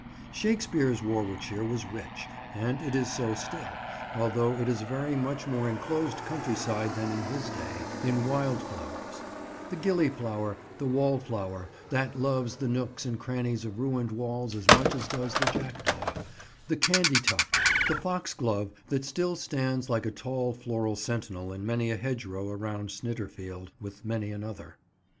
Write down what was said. Shakespeare's Warwickshire was rich—and it is so still, although it is a very much more enclosed countryside than in his day—in wild flowers; the gillyflower, the wallflower that loves the nooks and crannies of ruined walls as much as does the jackdaw; the candy tuft, the foxglove that still stands like a tall floral sentinel in many a hedgerow around Snitterfield; with many another.